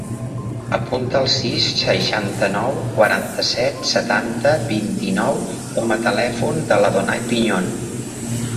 Apunta el sis, seixanta-nou, quaranta-set, setanta, vint-i-nou com a telèfon de l'Adonay Piñon.